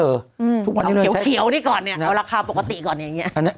ลองเขียวนี้ก่อนนี่เอาราคาปกติก่อนอย่างนี้